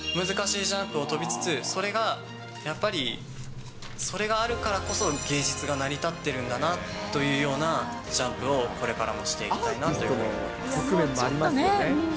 難しいジャンプを跳びつつ、それがやっぱり、それがあるからこそ、芸術が成り立ってるんだなというようなジャンプをこれからもしていきたいなというふうに思います。